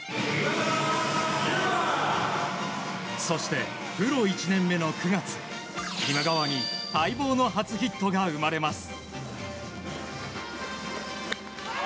そしてプロ１年目の９月今川に待望の初ヒットが生まれます。